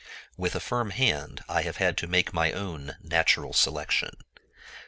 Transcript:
With a firm hand, I have had to make my own "natural selection."